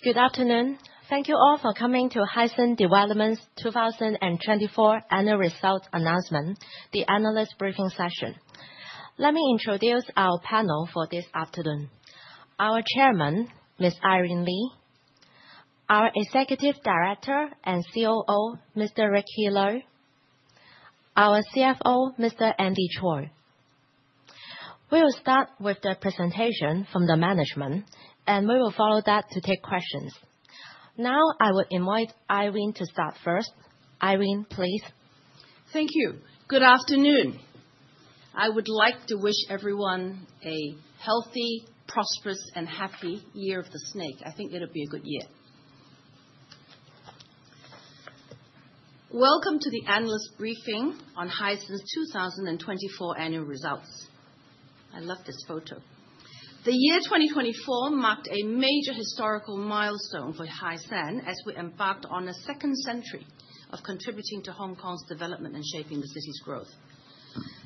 Good afternoon. Thank you all for coming to Hysan Development's 2024 Annual Results announcement, the Analyst Briefing Session. Let me introduce our panel for this afternoon: our Chairman, Ms. Irene Lee, our Executive Director and COO, Mr. Ricky Lui, our CFO, Mr. Andy Choi. We will start with the presentation from the management, and we will follow that to take questions. Now, I would invite Irene to start first. Irene, please. Thank you. Good afternoon. I would like to wish everyone a healthy, prosperous, and happy Year of the Snake. I think it'll be a good year. Welcome to the Analyst Briefing on Hysan's 2024 Annual Results. I love this photo. The year 2024 marked a major historical milestone for Hysan as we embarked on a second century of contributing to Hong Kong's development and shaping the city's growth.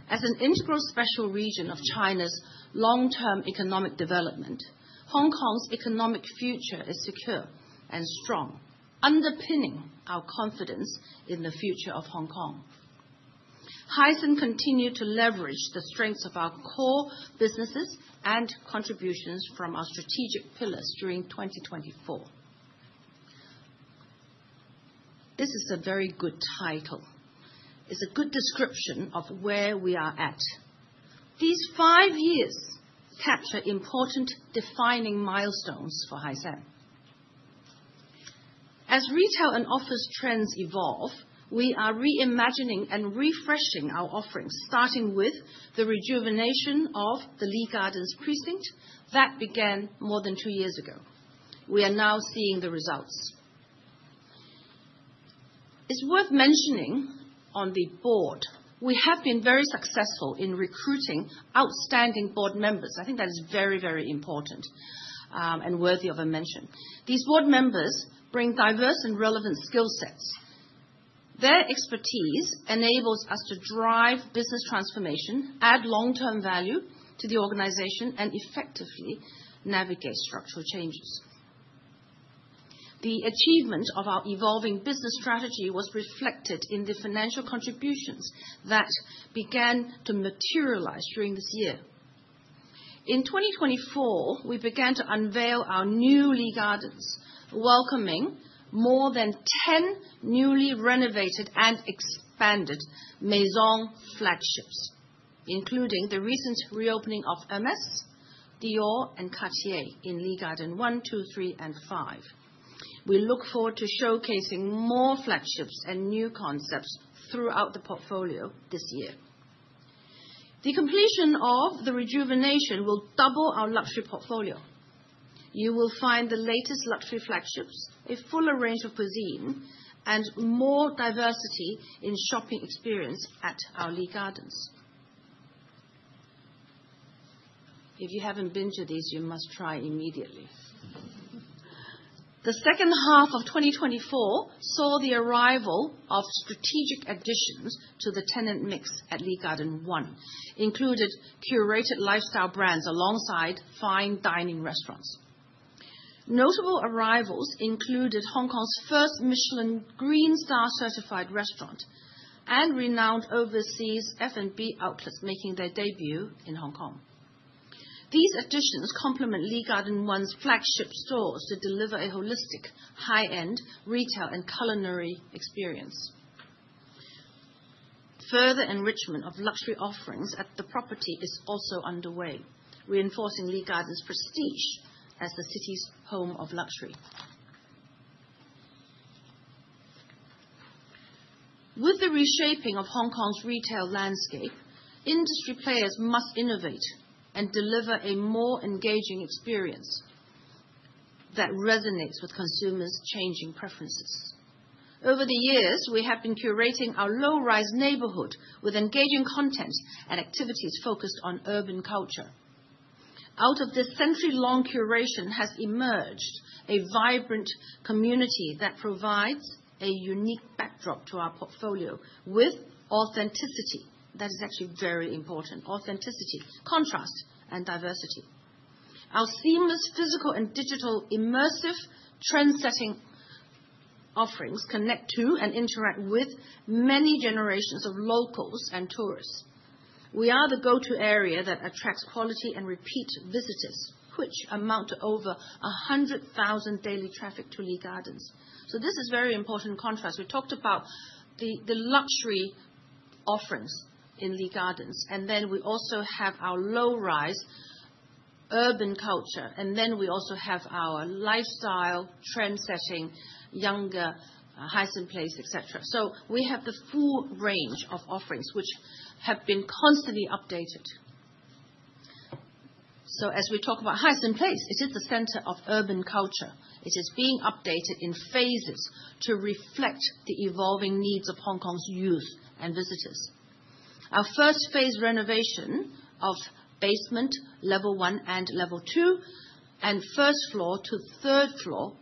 As an integral special region of China's long-term economic development, Hong Kong's economic future is secure and strong, underpinning our confidence in the future of Hong Kong. Hysan continued to leverage the strengths of our core businesses and contributions from our strategic pillars during 2024. This is a very good title. It's a good description of where we are at. These five years capture important defining milestones for Hysan. As retail and office trends evolve, we are reimagining and refreshing our offerings, starting with the rejuvenation of the Lee Gardens precinct that began more than two years ago. We are now seeing the results. It's worth mentioning on the board, we have been very successful in recruiting outstanding board members. I think that is very, very important and worthy of a mention. These board members bring diverse and relevant skill sets. Their expertise enables us to drive business transformation, add long-term value to the organization, and effectively navigate structural changes. The achievement of our evolving business strategy was reflected in the financial contributions that began to materialize during this year. In 2024, we began to unveil our new Lee Gardens, welcoming more than 10 newly renovated and expanded Maison flagships, including the recent reopening of Hermès, Dior, and Cartier in Lee Garden One, Lee Garden Two, Lee Garden Three, and Lee Garden Five. We look forward to showcasing more flagships and new concepts throughout the portfolio this year. The completion of the rejuvenation will double our luxury portfolio. You will find the latest luxury flagships, a fuller range of cuisine, and more diversity in shopping experience at our Lee Gardens. If you haven't been to these, you must try immediately. The second half of 2024 saw the arrival of strategic additions to the tenant mix at Lee Garden One, including curated lifestyle brands alongside fine dining restaurants. Notable arrivals included Hong Kong's first Michelin Green Star certified restaurant and renowned overseas F&B outlets making their debut in Hong Kong. These additions complement Lee Garden One's flagship stores to deliver a holistic high-end retail and culinary experience. Further enrichment of luxury offerings at the property is also underway, reinforcing Lee Garden's prestige as the city's home of luxury. With the reshaping of Hong Kong's retail landscape, industry players must innovate and deliver a more engaging experience that resonates with consumers' changing preferences. Over the years, we have been curating our low-rise neighborhood with engaging content and activities focused on urban culture. Out of this century-long curation has emerged a vibrant community that provides a unique backdrop to our portfolio with authenticity that is actually very important: authenticity, contrast, and diversity. Our seamless physical and digital immersive trendsetting offerings connect to and interact with many generations of locals and tourists. We are the go-to area that attracts quality and repeat visitors, which amount to over 100,000 daily traffic to Lee Gardens. So this is very important contrast. We talked about the luxury offerings in Lee Gardens, and then we also have our low-rise urban culture, and then we also have our lifestyle trendsetting, younger Hysan Place, etc. So we have the full range of offerings which have been constantly updated. So as we talk about Hysan Place, it is the center of urban culture. It is being updated in phases to reflect the evolving needs of Hong Kong's youth and visitors. Our first phase renovation of basement, level one, and level two, and first floor to third floor,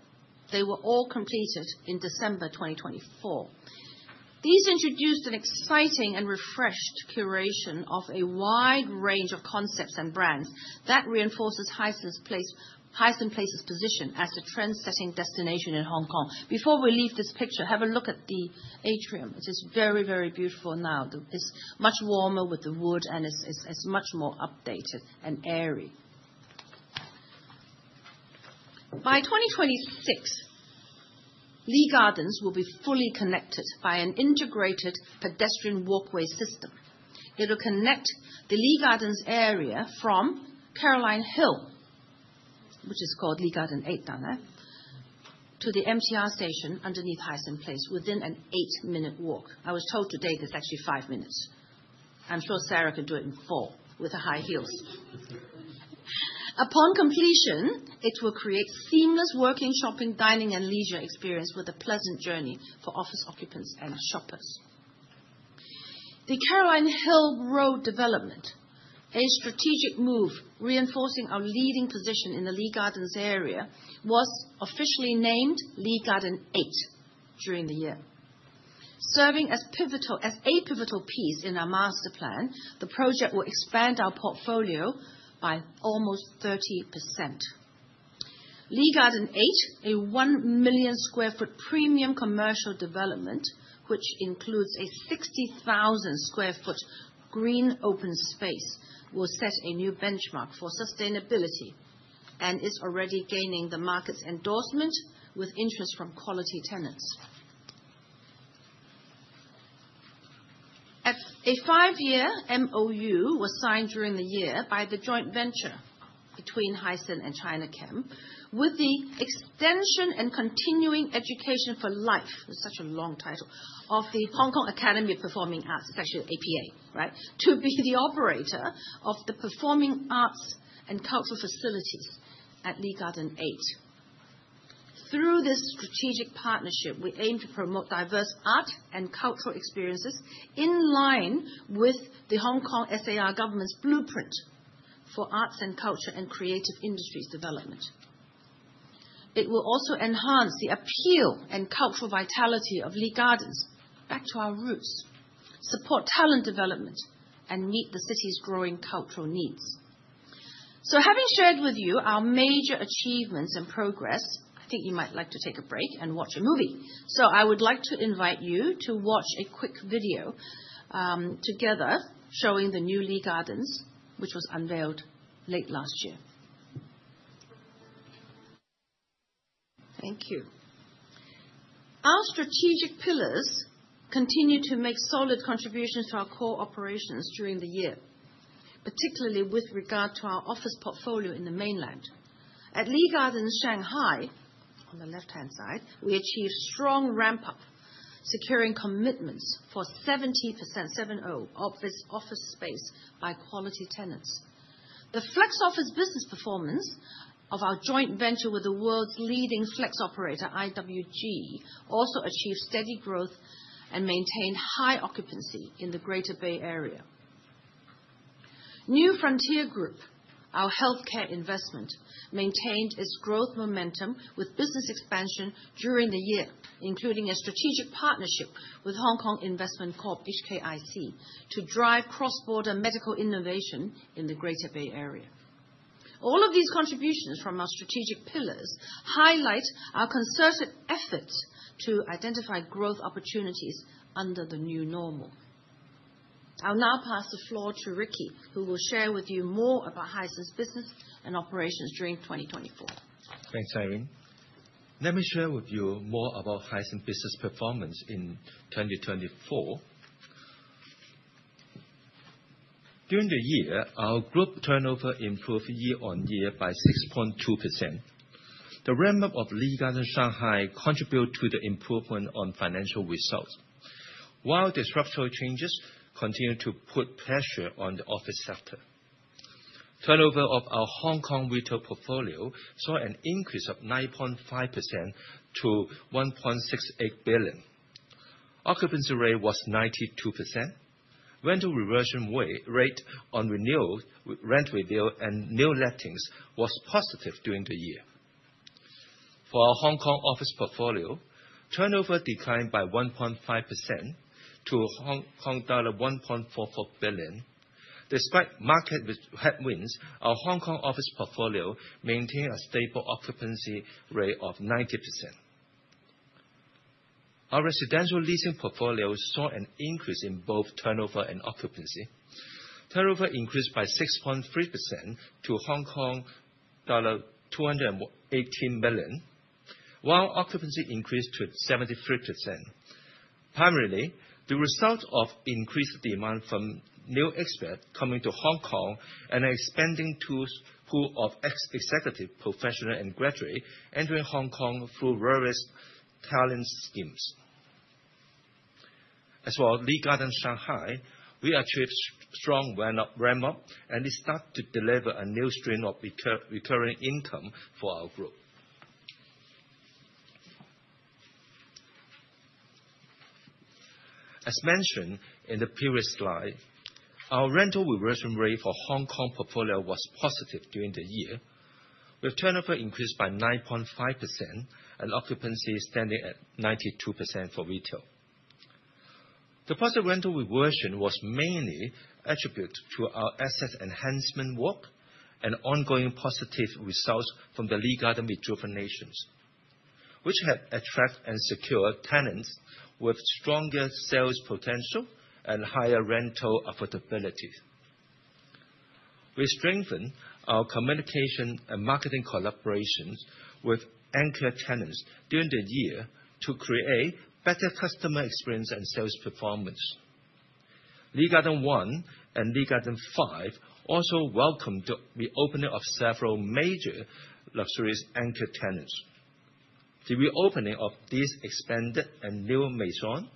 they were all completed in December 2024. These introduced an exciting and refreshed curation of a wide range of concepts and brands that reinforces Hysan Place's position as a trendsetting destination in Hong Kong. Before we leave this picture, have a look at the atrium. It is very, very beautiful now. It's much warmer with the wood, and it's much more updated and airy. By 2026, Lee Gardens will be fully connected by an integrated pedestrian walkway system. It'll connect the Lee Gardens area from Caroline Hill, which is called Lee Garden Eight, to the MTR station underneath Hysan Place within an eight-minute walk. I was told today that it's actually five minutes. I'm sure Sarah can do it in four with her high heels. Upon completion, it will create seamless working, shopping, dining, and leisure experiences with a pleasant journey for office occupants and shoppers. The Caroline Hill Road development, a strategic move reinforcing our leading position in the Lee Gardens area, was officially named Lee Garden Eight during the year. Serving as a pivotal piece in our master plan, the project will expand our portfolio by almost 30%. Lee Garden Eight, a one million sq ft premium commercial development, which includes a 60,000 sq ft green open space, will set a new benchmark for sustainability and is already gaining the market's endorsement with interest from quality tenants. A five-year MOU was signed during the year by the joint venture between Hysan and Chinachem with the Extension and Continuing Education for Life - that's such a long title - of the Hong Kong Academy for Performing Arts. It's actually HKAPA, right? - to be the operator of the performing arts and cultural facilities at Lee Garden Eight. Through this strategic partnership, we aim to promote diverse art and cultural experiences in line with the Hong Kong SAR government's blueprint for arts and culture and creative industries development. It will also enhance the appeal and cultural vitality of Lee Gardens back to our roots, support talent development, and meet the city's growing cultural needs. Having shared with you our major achievements and progress, I think you might like to take a break and watch a movie. I would like to invite you to watch a quick video together showing the new Lee Gardens, which was unveiled late last year. Thank you. Our strategic pillars continue to make solid contributions to our core operations during the year, particularly with regard to our office portfolio in the mainland. At Lee Garden Shanghai, on the left-hand side, we achieved strong ramp-up, securing commitments for 70% of its office space by quality tenants. The flex office business performance of our joint venture with the world's leading flex operator, IWG, also achieved steady growth and maintained high occupancy in the Greater Bay Area. New Frontier Group, our healthcare investment, maintained its growth momentum with business expansion during the year, including a strategic partnership with Hong Kong Investment Corporation, HKIC, to drive cross-border medical innovation in the Greater Bay Area. All of these contributions from our strategic pillars highlight our concerted efforts to identify growth opportunities under the new normal. I'll now pass the floor to Ricky, who will share with you more about Hysan's business and operations during 2024. Thanks, Irene. Let me share with you more about Hysan's business performance in 2024. During the year, our group turnover improved year-on-year by 6.2%. The ramp-up of Lee Garden Shanghai contributed to the improvement in financial results, while the structural changes continued to put pressure on the office sector. Turnover of our Hong Kong retail portfolio saw an increase of 9.5% to 1.68 billion. Occupancy rate was 92%. Rental reversion rate on renewal rent renewals and new lettings was positive during the year. For our Hong Kong office portfolio, turnover declined by 1.5% to HKD 1.44 billion. Despite market headwinds, our Hong Kong office portfolio maintained a stable occupancy rate of 90%. Our residential leasing portfolio saw an increase in both turnover and occupancy. Turnover increased by 6.3% to Hong Kong dollar 218 million, while occupancy increased to 73%. Primarily, the result of increased demand from new experts coming to Hong Kong and expanding pool of executives, professionals, and graduates entering Hong Kong through various talent schemes. As for Lee Garden Shanghai, we achieved strong ramp-up, and it started to deliver a new stream of recurring income for our group. As mentioned in the previous slide, our rental reversion rate for Hong Kong portfolio was positive during the year, with turnover increased by 9.5% and occupancy standing at 92% for retail. The positive rental reversion was mainly attributed to our asset enhancement work and ongoing positive results from the Lee Garden rejuvenations, which had attracted and secured tenants with stronger sales potential and higher rental affordability. We strengthened our communication and marketing collaborations with anchor tenants during the year to create better customer experience and sales performance. Lee Garden One and Lee Garden Five also welcomed the reopening of several major luxurious anchor tenants. The reopening of these expanded and new Maisons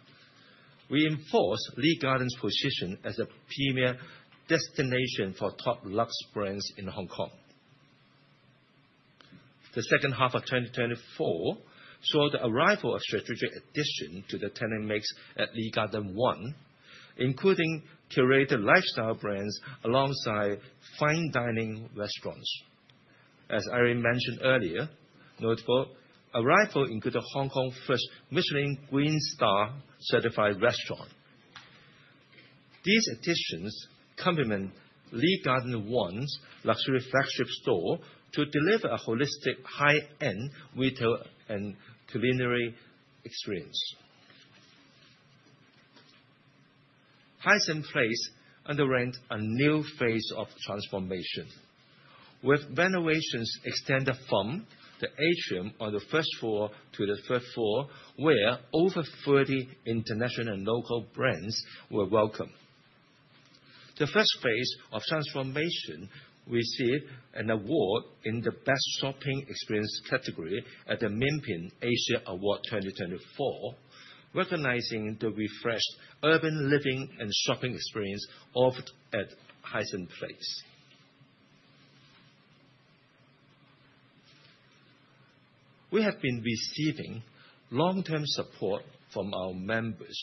reinforced Lee Garden's position as a premier destination for top luxe brands in Hong Kong. The second half of 2024 saw the arrival of strategic additions to the tenant mix at Lee Garden One, including curated lifestyle brands alongside fine dining restaurants. As Irene mentioned earlier, noteworthy arrival included Hong Kong's first Michelin Green Star certified restaurant. These additions complement Lee Garden One's luxury flagship store to deliver a holistic high-end retail and culinary experience. Hysan Place underwent a new phase of transformation, with renovations extended from the atrium on the first floor to the third floor, where over 30 international and local brands were welcomed. The first phase of transformation received an award in the Best Shopping Experience category at the MIPIM Asia Awards 2024, recognizing the refreshed urban living and shopping experience offered at Hysan Place. We have been receiving long-term support from our members,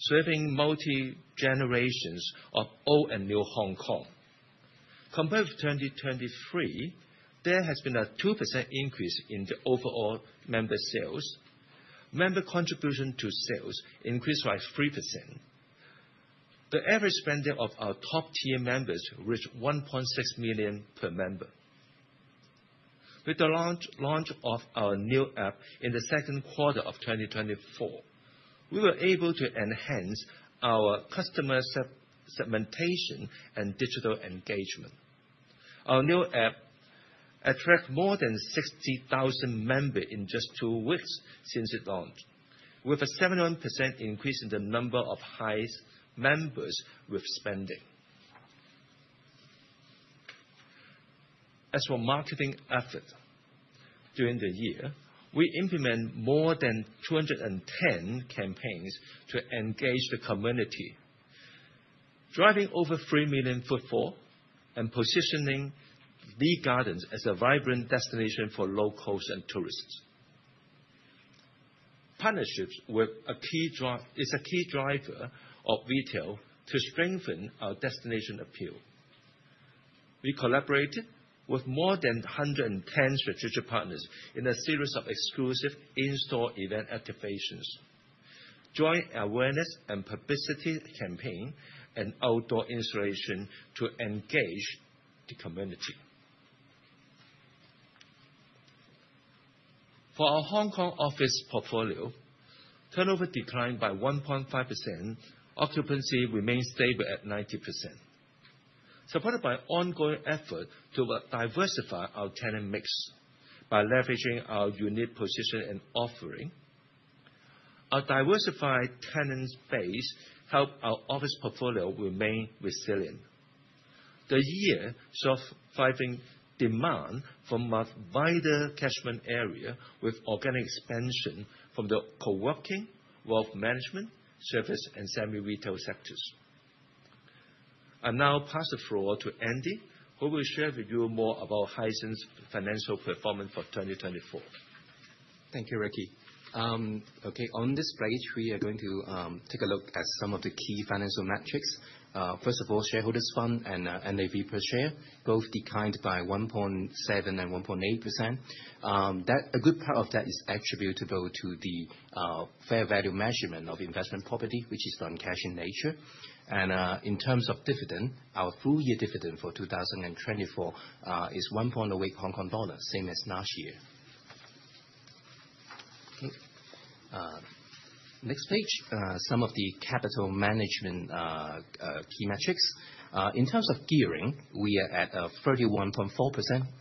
serving multi-generations of old and new Hong Kong. Compared with 2023, there has been a 2% increase in the overall member sales. Member contribution to sales increased by 3%. The average spending of our top-tier members reached 1.6 million per member. With the launch of our new app in the second quarter of 2024, we were able to enhance our customer segmentation and digital engagement. Our new app attracted more than 60,000 members in just two weeks since it launched, with a 71% increase in the number of Hysan members with spending. As for marketing efforts during the year, we implemented more than 210 campaigns to engage the community, driving over 3 million footfall and positioning Lee Gardens as a vibrant destination for locals and tourists. Partnerships is a key driver of retail to strengthen our destination appeal. We collaborated with more than 110 strategic partners in a series of exclusive in-store event activations, joint awareness and publicity campaigns, and outdoor installations to engage the community. For our Hong Kong office portfolio, turnover declined by 1.5%. Occupancy remained stable at 90%. Supported by ongoing efforts to diversify our tenant mix by leveraging our unique position and offering, our diversified tenant base helped our office portfolio remain resilient. The year saw thriving demand for a wider catchment area with organic expansion from the co-working, wealth management, service, and semi-retail sectors. I'll now pass the floor to Andy, who will share with you more about Hysan's financial performance for 2024. Thank you, Ricky. Okay, on this slide, we are going to take a look at some of the key financial metrics. First of all, shareholders' funds and NAV per share both declined by 1.7% and 1.8%. A good part of that is attributable to the fair value measurement of investment property, which is non-cash in nature. And in terms of dividend, our full-year dividend for 2024 is 1.08 Hong Kong dollar, same as last year. Next page, some of the capital management key metrics. In terms of gearing, we are at 31.4%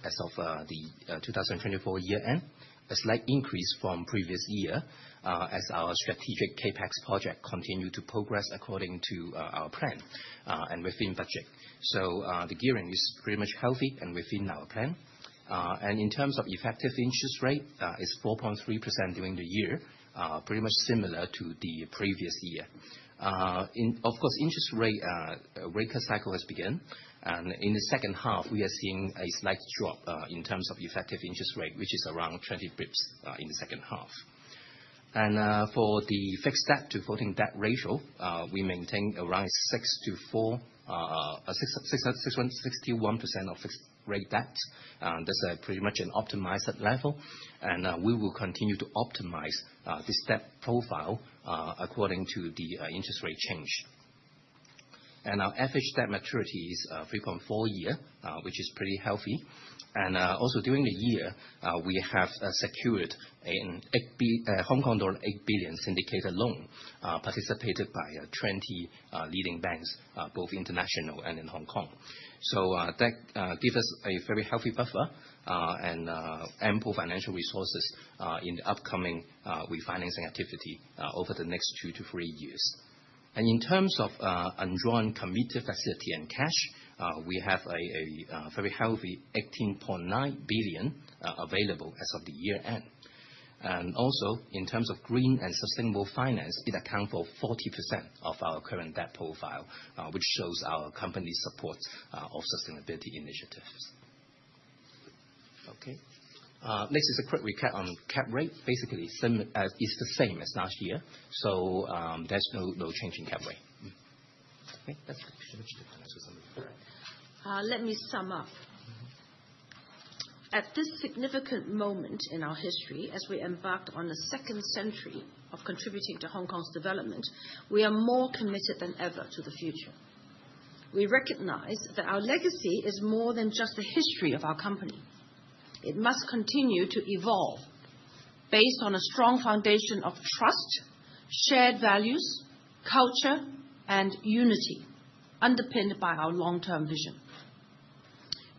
as of the 2024 year-end, a slight increase from the previous year as our strategic CapEx project continued to progress according to our plan and within budget. So the gearing is pretty much healthy and within our plan. And in terms of effective interest rate, it's 4.3% during the year, pretty much similar to the previous year. Of course, the interest rate cycle has begun, and in the second half, we are seeing a slight drop in terms of effective interest rate, which is around 20 basis points in the second half. And for the fixed debt to floating debt ratio, we maintain around six to four, 61% of fixed rate debt. That's pretty much an optimized level, and we will continue to optimize this debt profile according to the interest rate change. And our average debt maturity is 3.4 years, which is pretty healthy. And also, during the year, we have secured a Hong Kong dollar 8 billion syndicated loan participated by 20 leading banks, both international and in Hong Kong. So that gives us a very healthy buffer and ample financial resources in the upcoming refinancing activity over the next two to three years. In terms of undrawn committed facility and cash, we have a very healthy 18.9 billion available as of the year-end. Also, in terms of green and sustainable finance, it accounts for 40% of our current debt profile, which shows our company's support of sustainability initiatives. Okay, next is a quick recap on cap rate. Basically, it's the same as last year, so there's no change in cap rate. Okay, that's pretty much the financial summary. Let me sum up. At this significant moment in our history, as we embark on the second century of contributing to Hong Kong's development, we are more committed than ever to the future. We recognize that our legacy is more than just the history of our company. It must continue to evolve based on a strong foundation of trust, shared values, culture, and unity underpinned by our long-term vision.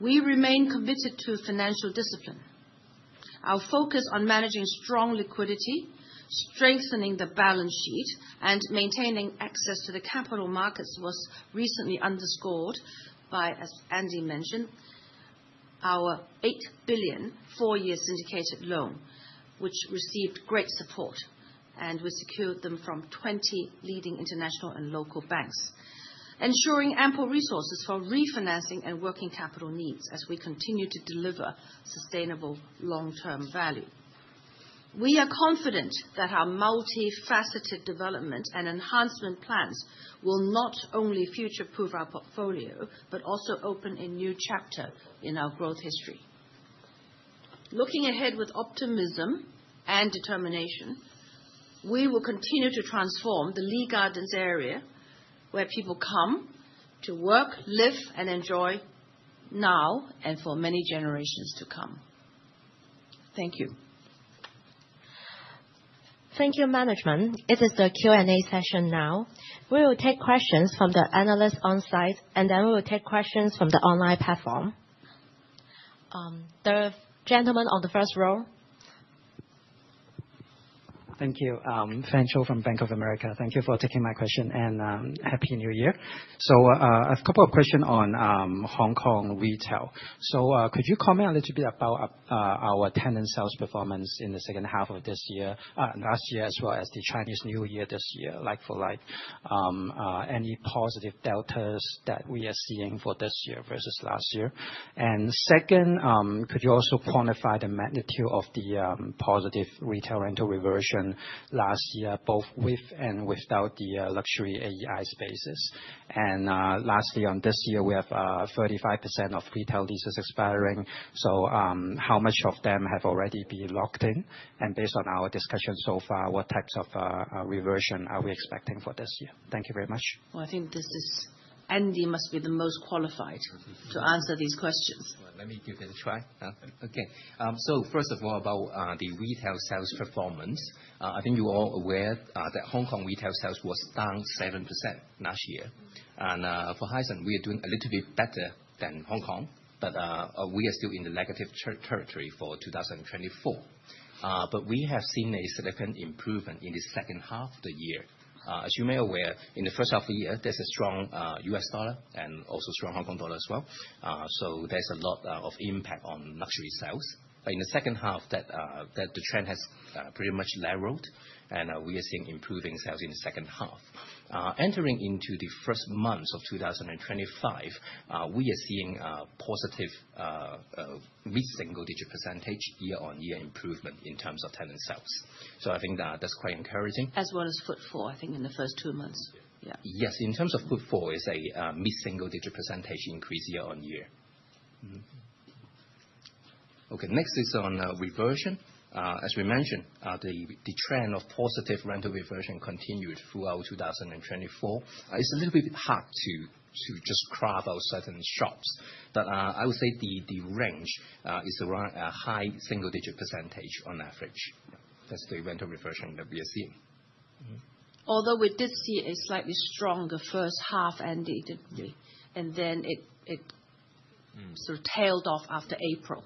We remain committed to financial discipline. Our focus on managing strong liquidity, strengthening the balance sheet, and maintaining access to the capital markets was recently underscored by, as Andy mentioned, our 8 billion four-year syndicated loan, which received great support, and we secured them from 20 leading international and local banks, ensuring ample resources for refinancing and working capital needs as we continue to deliver sustainable long-term value. We are confident that our multifaceted development and enhancement plans will not only future-proof our portfolio but also open a new chapter in our growth history. Looking ahead with optimism and determination, we will continue to transform the Lee Gardens area where people come to work, live, and enjoy now and for many generations to come. Thank you. Thank you, management. It is the Q&A session now. We will take questions from the analysts on site, and then we will take questions from the online platform. The gentleman on the first row. Thank you. Fan Tso from Bank of America. Thank you for taking my question, and happy New Year. So a couple of questions on Hong Kong retail. So could you comment a little bit about our tenant sales performance in the second half of this year, last year, as well as the Chinese New Year this year, like for like? Any positive deltas that we are seeing for this year versus last year? And second, could you also quantify the magnitude of the positive retail rental reversion last year, both with and without the luxury AEI spaces? And lastly, on this year, we have 35% of retail leases expiring. So how much of them have already been locked in? And based on our discussion so far, what types of reversion are we expecting for this year? Thank you very much. I think this is Andy must be the most qualified to answer these questions. Let me give it a try. Okay, so first of all, about the retail sales performance, I think you're all aware that Hong Kong retail sales were down 7% last year. And for Hysan, we are doing a little bit better than Hong Kong, but we are still in the negative territory for 2024. But we have seen a significant improvement in the second half of the year. As you may be aware, in the first half of the year, there's a strong U.S. dollar and also a strong Hong Kong dollar as well. So there's a lot of impact on luxury sales. But in the second half, the trend has pretty much leveled, and we are seeing improving sales in the second half. Entering into the first months of 2025, we are seeing a positive mid-single digit percentage year-on-year improvement in terms of tenant sales. So I think that's quite encouraging. As well as footfall, I think, in the first two months. Yes, in terms of footfall, it's a mid-single digit percentage increase year-on-year. Okay, next is on reversion. As we mentioned, the trend of positive rental reversion continued throughout 2024. It's a little bit hard to just crowd out certain shops, but I would say the range is around a high single-digit percentage on average. That's the rental reversion that we are seeing. Although we did see a slightly stronger first half, Andy, didn't we? And then it sort of tailed off after April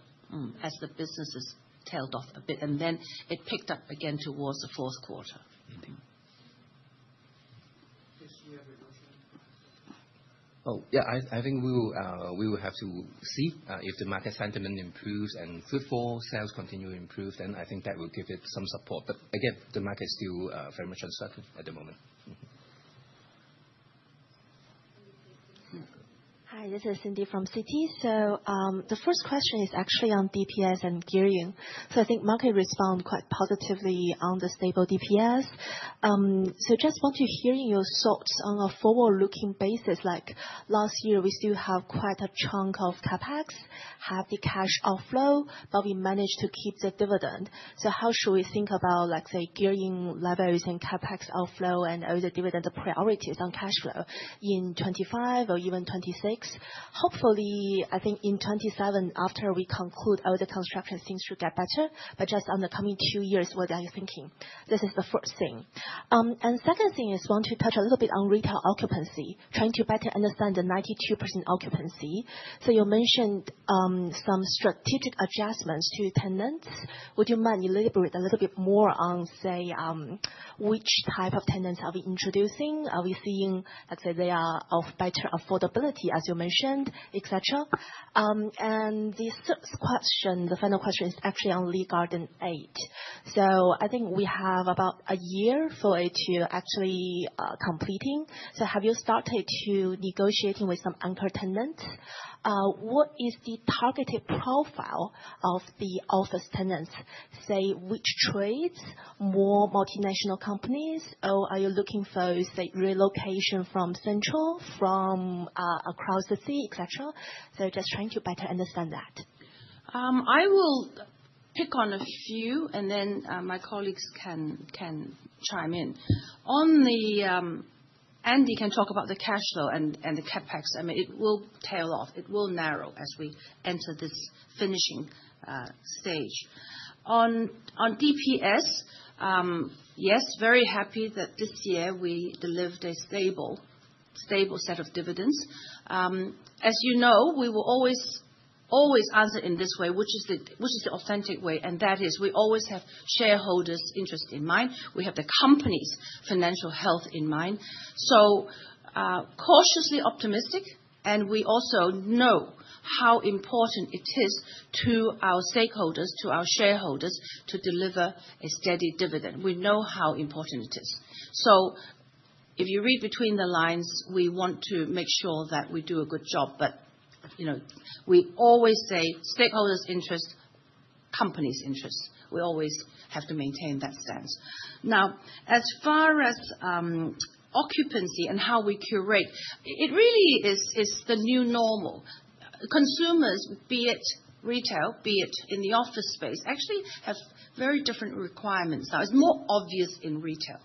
as the businesses tailed off a bit, and then it picked up again towards the fourth quarter. Oh, yeah, I think we will have to see if the market sentiment improves and footfall, sales continue to improve, then I think that will give it some support. But again, the market is still very much uncertain at the moment. Hi, this is Cindy from Citi. So the first question is actually on DPS and gearing. So I think the market responded quite positively on the stable DPS. So I just want to hear your thoughts on a forward-looking basis. Like last year, we still have quite a chunk of CapEx, have the cash outflow, but we managed to keep the dividend. So how should we think about, let's say, gearing levers and CapEx outflow and other dividend priorities on cash flow in 2025 or even 2026? Hopefully, I think in 2027, after we conclude all the construction, things should get better. But just on the coming two years, what are you thinking? This is the first thing. And the second thing is I want to touch a little bit on retail occupancy, trying to better understand the 92% occupancy. So you mentioned some strategic adjustments to tenants. Would you mind elaborating a little bit more on, say, which type of tenants are we introducing? Are we seeing, let's say, they are of better affordability, as you mentioned, etc.? And the third question, the final question, is actually on Lee Garden Eight. So I think we have about a year for it to actually complete. So have you started to negotiate with some anchor tenants? What is the targeted profile of the office tenants? Say, which trades? More multinational companies? Or are you looking for, say, relocation from Central, from across the sea, etc.? So just trying to better understand that. I will pick on a few, and then my colleagues can chime in. Andy can talk about the cash flow and the CapEx. I mean, it will tail off. It will narrow as we enter this finishing stage. On DPS, yes, very happy that this year we delivered a stable set of dividends. As you know, we will always answer in this way, which is the authentic way, and that is we always have shareholders' interest in mind. We have the company's financial health in mind. So cautiously optimistic, and we also know how important it is to our stakeholders, to our shareholders, to deliver a steady dividend. We know how important it is. So if you read between the lines, we want to make sure that we do a good job. But we always say stakeholders' interest, company's interest. We always have to maintain that stance. Now, as far as occupancy and how we curate, it really is the new normal. Consumers, be it retail, be it in the office space, actually have very different requirements. Now, it's more obvious in retail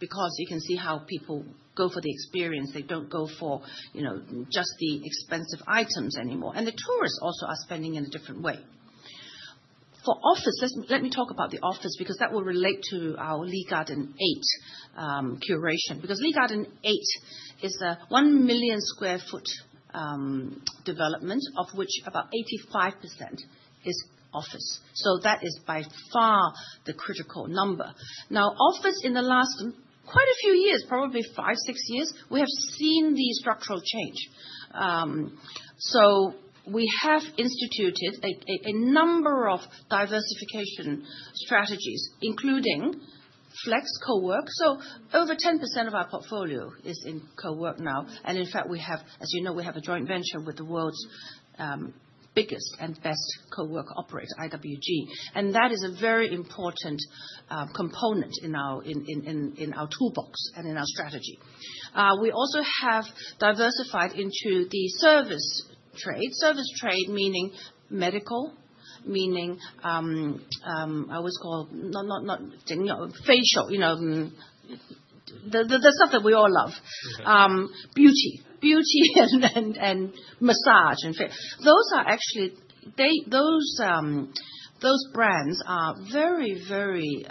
because you can see how people go for the experience. They don't go for just the expensive items anymore. And the tourists also are spending in a different way. For office, let me talk about the office because that will relate to our Lee Garden Eight curation. Because Lee Garden Eight is a one million sq ft development, of which about 85% is office. So that is by far the critical number. Now, office, in the last quite a few years, probably five, six years, we have seen the structural change. So we have instituted a number of diversification strategies, including flex cowork. So over 10% of our portfolio is in cowork now. And in fact, as you know, we have a joint venture with the world's biggest and best cowork operator, IWG. And that is a very important component in our toolbox and in our strategy. We also have diversified into the service trade. Service trade, meaning medical, meaning I always call facial, the stuff that we all love. Beauty, beauty, and massage. Those brands are very, very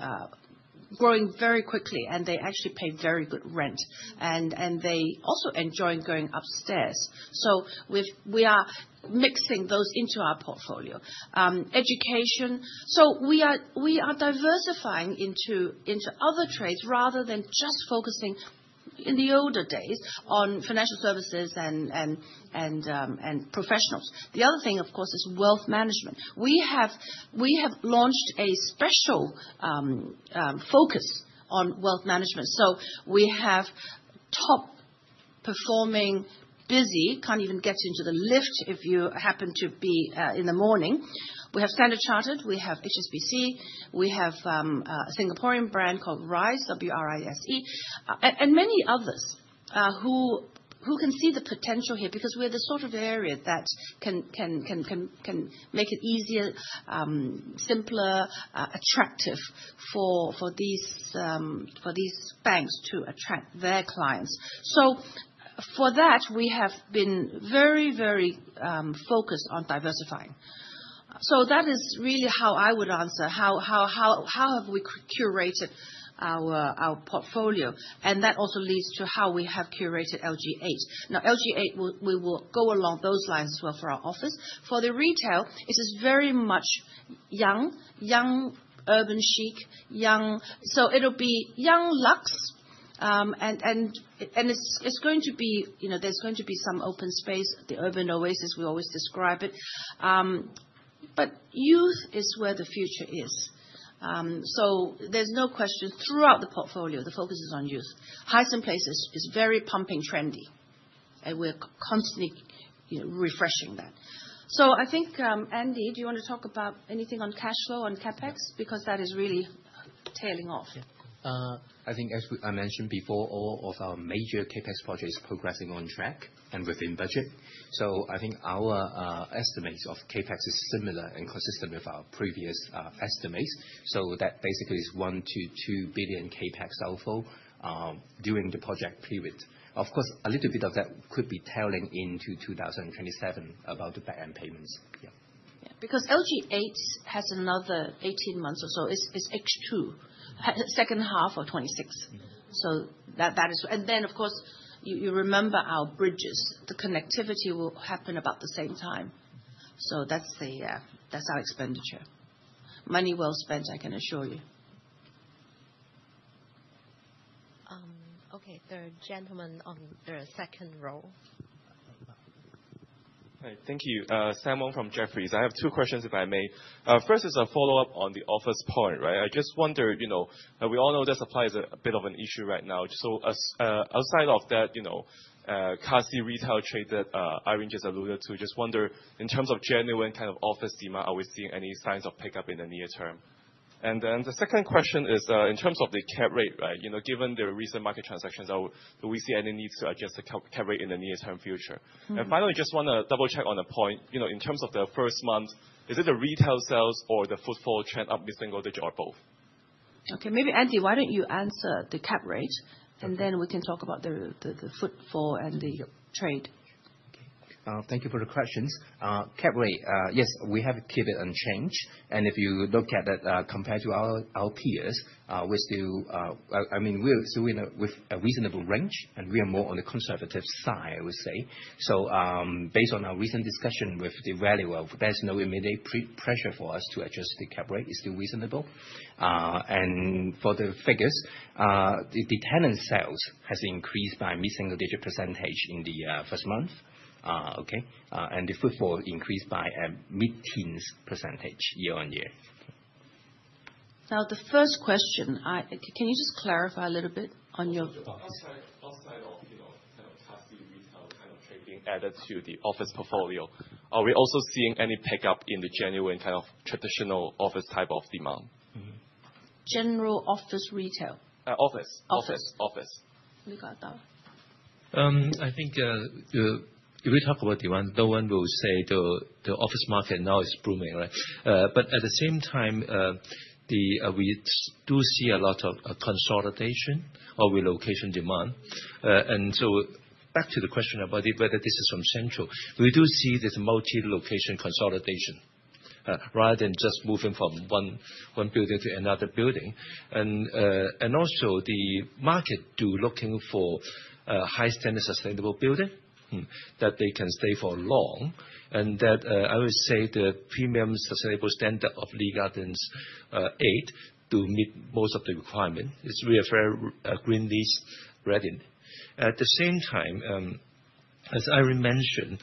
growing very quickly, and they actually pay very good rent. And they also enjoy going upstairs. So we are mixing those into our portfolio. Education. So we are diversifying into other trades rather than just focusing, in the older days, on financial services and professionals. The other thing, of course, is wealth management. We have launched a special focus on wealth management. So we have top-performing, busy, can't even get into the lift if you happen to be in the morning. We have Standard Chartered. We have HSBC. We have a Singaporean brand called WRISE, W-R-I-S-E, and many others who can see the potential here because we are the sort of area that can make it easier, simpler, attractive for these banks to attract their clients. So for that, we have been very, very focused on diversifying. So that is really how I would answer. How have we curated our portfolio? And that also leads to how we have curated Lee Garden Eight. Now, Lee Garden Eight, we will go along those lines as well for our office. For the retail, it is very much young, young urban chic, young. So it'll be young luxe. And it's going to be there's going to be some open space, the urban oasis we always describe it. But youth is where the future is. So there's no question throughout the portfolio, the focus is on youth. Hysan Place is very pumping, trendy. And we're constantly refreshing that. So I think, Andy, do you want to talk about anything on cash flow, on CapEx? Because that is really tailing off. Yeah. I think, as I mentioned before, all of our major CapEx projects are progressing on track and within budget. So I think our estimates of CapEx are similar and consistent with our previous estimates. So that basically is 1 billion-2 billion CapEx outflow during the project period. Of course, a little bit of that could be tailing into 2027 about the backend payments. Yeah. Yeah, because Lee Garden Eight has another 18 months or so. It's H2, second half of 2026. So that is what. And then, of course, you remember our bridges. The connectivity will happen about the same time. So that's our expenditure. Money well spent, I can assure you. Okay, the gentleman on the second row. Thank you. Sam Wong from Jefferies. I have two questions, if I may. First is a follow-up on the office point, right? I just wonder, we all know that supply is a bit of an issue right now. So outside of that, the retail that Irene just alluded to. Just wonder, in terms of genuine kind of office demand, are we seeing any signs of pickup in the near term? And then the second question is, in terms of the cap rate, right? Given the recent market transactions, do we see any need to adjust the cap rate in the near-term future? And finally, just want to double-check on a point. In terms of the first month, is it the retail sales or the footfall trend up mid-single digit or both? Okay, maybe Andy, why don't you answer the cap rate, and then we can talk about the footfall and the trade? Thank you for the questions. Cap rate, yes, we have kept it unchanged, and if you look at that compared to our peers, we still, I mean, we're still with a reasonable range, and we are more on the conservative side, I would say, so based on our recent discussion with the valuers. There's no immediate pressure for us to adjust the cap rate. It's still reasonable, and for the figures, the tenant sales have increased by mid-single-digit % in the first month. Okay. And the footfall increased by a mid-teens % year-on-year. Now, the first question, can you just clarify a little bit on your. Outside of kind of quasi-retail kind of trade being added to the office portfolio, are we also seeing any pickup in the genuine kind of traditional office type of demand? General office retail. Office. I think if we talk about demand, no one will say the office market now is booming, right? But at the same time, we do see a lot of consolidation or relocation demand. And so back to the question about whether this is from Central, we do see this multi-location consolidation rather than just moving from one building to another building. And also, the market is looking for high-standard sustainable building that they can stay for long. And I would say the premium sustainable standard of Lee Garden Eight to meet most of the requirements. We are very green lease ready. At the same time, as Irene mentioned,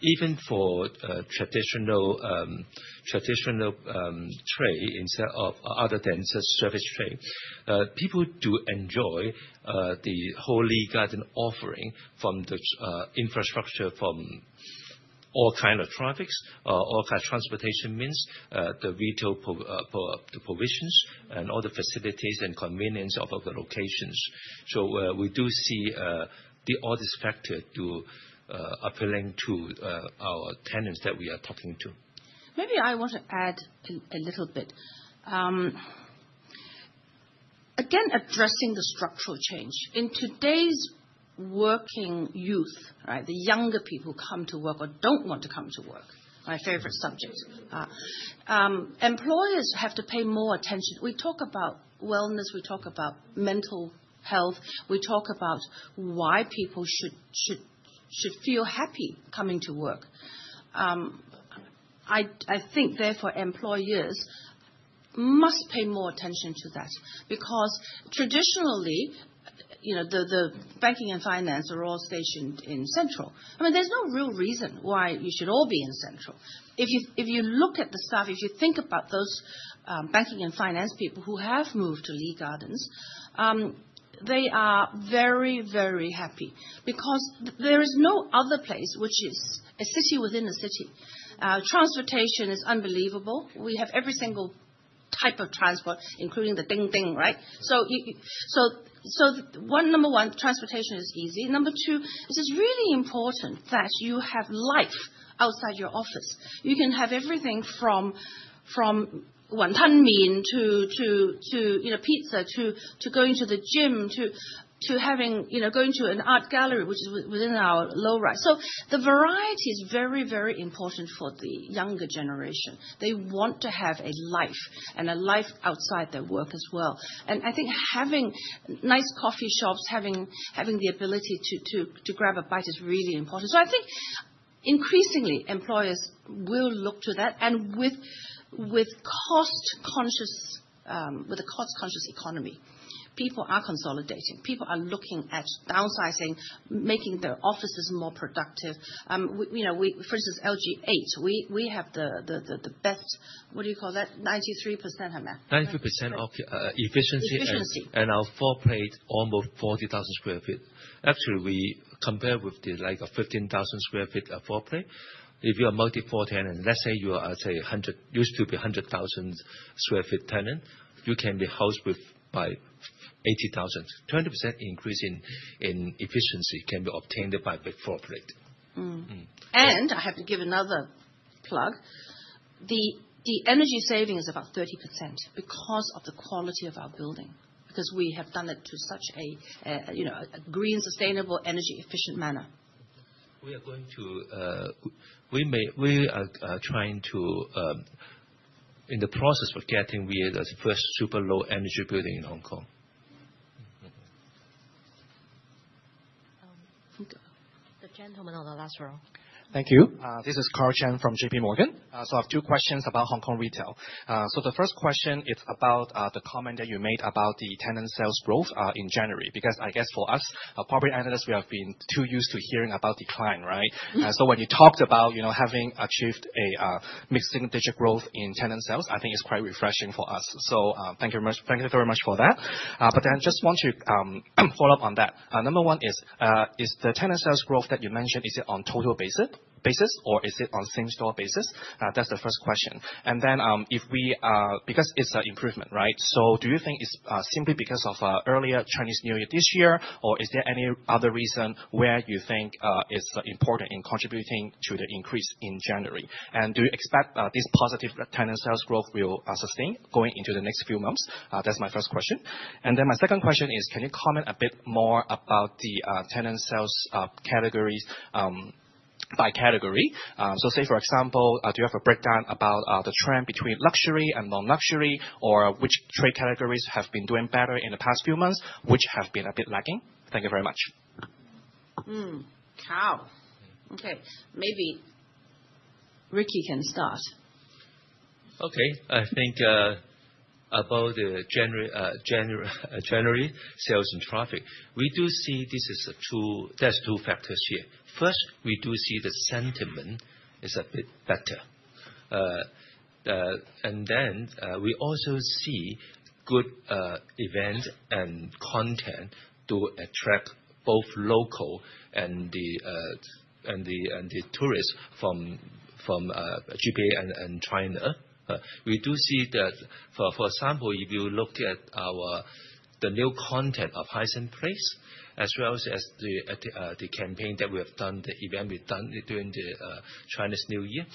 even for traditional trade instead of other than just service trade, people do enjoy the whole Lee Gardens offering from the infrastructure from all kinds of traffics, all kinds of transportation means, the retail provisions, and all the facilities and convenience of the locations. So we do see all these factors appealing to our tenants that we are talking to. Maybe I want to add a little bit. Again, addressing the structural change. In today's working youth, the younger people who come to work or don't want to come to work, my favorite subject, employers have to pay more attention. We talk about wellness. We talk about mental health. We talk about why people should feel happy coming to work. I think, therefore, employers must pay more attention to that. Because traditionally, the banking and finance are all stationed in Central. I mean, there's no real reason why you should all be in Central. If you look at the staff, if you think about those banking and finance people who have moved to Lee Gardens, they are very, very happy. Because there is no other place, which is a city within a city. Transportation is unbelievable. We have every single type of transport, including the ding-ding, right? So number one, transportation is easy. Number two, it is really important that you have life outside your office. You can have everything from wonton mein to pizza to going to the gym to going to an art gallery, which is within our low-rise. So the variety is very, very important for the younger generation. They want to have a life and a life outside their work as well. And I think having nice coffee shops, having the ability to grab a bite is really important. So I think increasingly, employers will look to that. And with a cost-conscious economy, people are consolidating. People are looking at downsizing, making their offices more productive. For instance, Lee Garden Eight, we have the best, what do you call that? 93%, I meant. 93% efficiency. And our floor plate is almost 40,000 sq ft. Actually, we compare with the 15,000 sq ft floor plate. If you're a multi-floor tenant, let's say you are, say, used to be 100,000 sq ft tenant, you can be housed by 80,000. 20% increase in efficiency can be obtained by floor plate. I have to give another plug. The energy saving is about 30% because of the quality of our building. Because we have done it to such a green, sustainable, energy-efficient manner. We are the first super low energy building in Hong Kong. The gentleman on the last row. Thank you. This is Karl Chan from JPMorgan. So I have two questions about Hong Kong retail. So the first question is about the comment that you made about the tenant sales growth in January. Because I guess for us, property analysts, we have been too used to hearing about decline, right? So when you talked about having achieved a mid-single-digit growth in tenant sales, I think it's quite refreshing for us. So thank you very much for that. But then I just want to follow up on that. Number one is, is the tenant sales growth that you mentioned, is it on total basis or is it on same-store basis? That's the first question. And then if we, because it's an improvement, right? So do you think it's simply because of earlier Chinese New Year this year, or is there any other reason where you think it's important in contributing to the increase in January? And do you expect this positive tenant sales growth will sustain going into the next few months? That's my first question. And then my second question is, can you comment a bit more about the tenant sales categories by category? So say, for example, do you have a breakdown about the trend between luxury and non-luxury, or which trade categories have been doing better in the past few months, which have been a bit lagging? Thank you very much. Okay. Okay, maybe Ricky can start. Okay, I think about the January sales and traffic, we do see there's two factors here. First, we do see the sentiment is a bit better. And then we also see good events and content to attract both local and the tourists from GBA and China. We do see that, for example, if you look at the new content of Hysan Place, as well as the campaign that we have done, the event we've done during the Chinese New Year,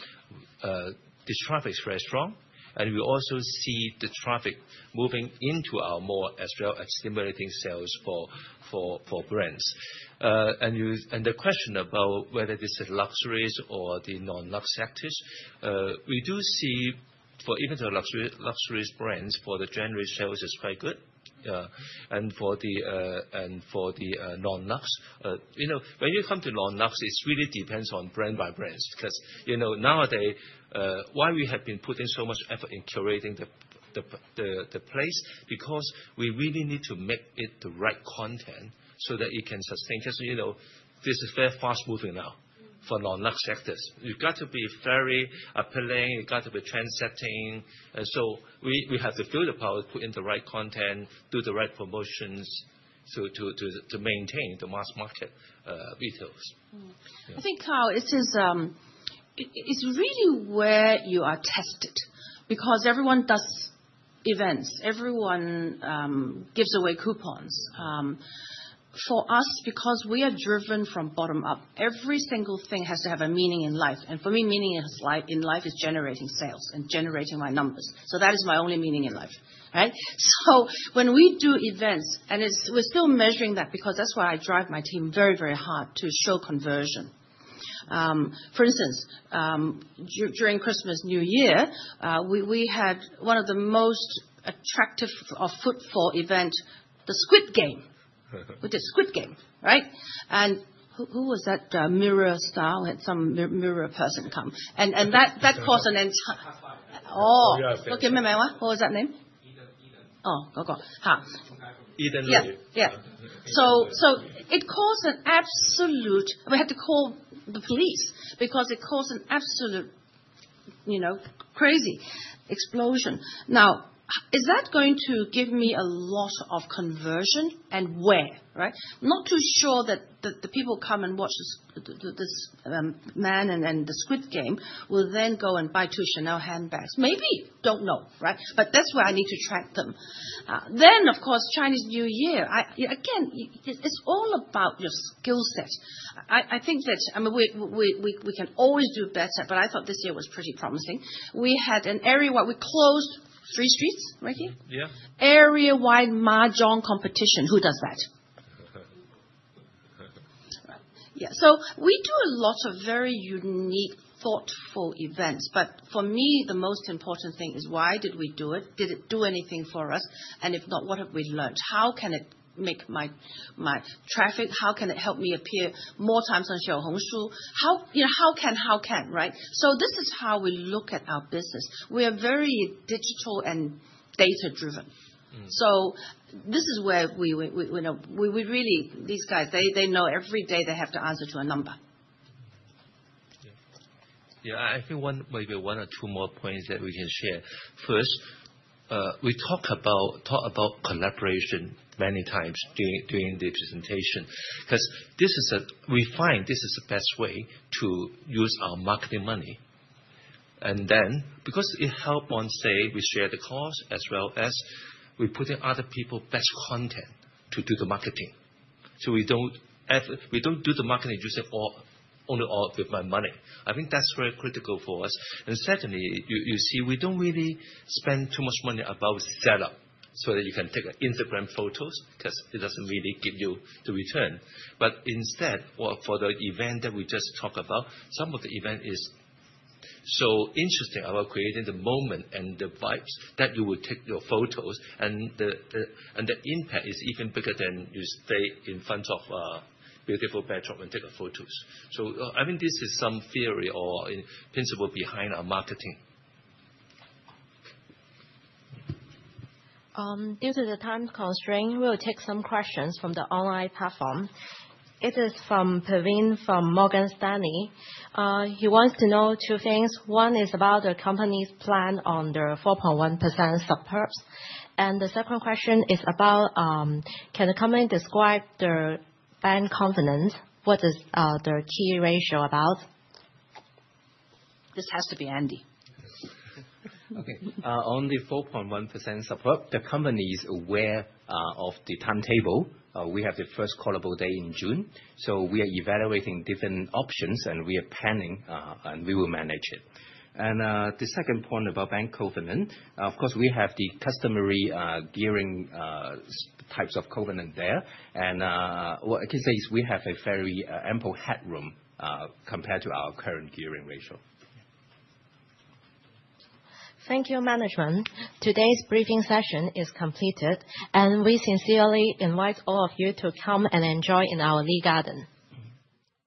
the traffic is very strong. And we also see the traffic moving into our mall as well as stimulating sales for brands. And the question about whether this is luxury or the non-lux sectors, we do see for even the luxurious brands, for the January sales is quite good. And for the non-lux, when you come to non-lux, it really depends on brand by brand. Because nowadays, why we have been putting so much effort in curating the place? Because we really need to make it the right content so that it can sustain. Because this is very fast-moving now for non-lux sectors. You've got to be very appealing. You've got to be trendsetting. And so we have to feel the power to put in the right content, do the right promotions to maintain the mass market retails. I think, Karl, it's really where you are tested. Because everyone does events. Everyone gives away coupons. For us, because we are driven from bottom up, every single thing has to have a meaning in life, and for me, meaning in life is generating sales and generating my numbers. So that is my only meaning in life, right? so when we do events, and we're still measuring that because that's why I drive my team very, very hard to show conversion. For instance, during Christmas New Year, we had one of the most attractive footfall events, the Squid Game. We did Squid Game, right? And who was that MIRROR star? We had some MIRROR person come. And that caused an entire. Oh, yeah. Okay, what was that name? Edan. Oh, go, go. Edan Lui. Yeah. So it caused an absolute, we had to call the police because it caused an absolute crazy explosion. Now, is that going to give me a lot of conversion and where? Not too sure that the people come and watch this man and the Squid Game will then go and buy two Chanel handbags. Maybe. Don't know, right? But that's where I need to track them. Then, of course, Chinese New Year. Again, it's all about your skill set. I think that we can always do better, but I thought this year was pretty promising. We had an area-wide, we closed three streets right here? Yeah. Area-wide mahjong competition. Who does that? Yeah. So we do a lot of very unique, thoughtful events. But for me, the most important thing is why did we do it? Did it do anything for us? And if not, what have we learned? How can it make my traffic? How can it help me appear more times on Xiaohongshu? How can, how can, right? So this is how we look at our business. We are very digital and data-driven. So this is where we really, these guys, they know every day they have to answer to a number. Yeah. I think maybe one or two more points that we can share. First, we talk about collaboration many times during the presentation. Because we find this is the best way to use our marketing money. And then, because it helps one, say, we share the cost as well as we put in other people's best content to do the marketing. So we don't do the marketing just for only with my money. I think that's very critical for us. And secondly, you see, we don't really spend too much money about setup so that you can take Instagram photos because it doesn't really give you the return. But instead, for the event that we just talked about, some of the event is so interesting about creating the moment and the vibes that you will take your photos. And the impact is even bigger than you stay in front of a beautiful bedroom and take photos. So I think this is some theory or principle behind our marketing. Due to the time constraints, we will take some questions from the online platform. It is from Praveen from Morgan Stanley. He wants to know two things. One is about the company's plan on the 4.1% perpetual capital securities. And the second question is about, can the company describe their funding confidence? What is their key ratio about? This has to be Andy. Okay. On the 4.1% perpetual capital securities, the company is aware of the timetable. We have the first callable day in June. So we are evaluating different options and we are planning and we will manage it. And the second point about bank covenant, of course, we have the customary gearing types of covenant there. And what I can say is we have a very ample headroom compared to our current gearing ratio. Thank you, management. Today's briefing session is completed, and we sincerely invite all of you to come and enjoy in our Lee Gardens.